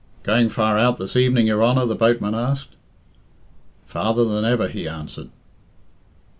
"Going far out this evening, your Honor?" the boatman asked. "Farther than ever," he answered.